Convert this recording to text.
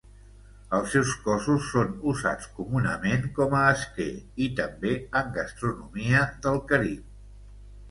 Els seus cossos són usats comunament com a esquer i també en gastronomia del Carib.